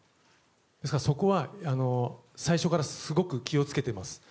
ですからそこは最初からすごく気を付けています。